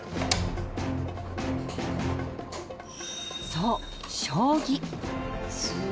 そう将棋。